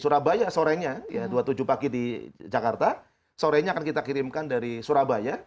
juga salah satunya juga dari surabaya sorenya dua puluh tujuh pagi di jakarta sorenya akan kita kirimkan dari surabaya